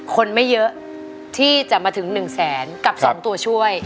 คนไม่เยอะที่จะมาถึง๑แสนกับ๒ตัวช่วย